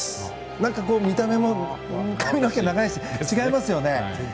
何か見た目も、髪の毛も長いし違いますよね。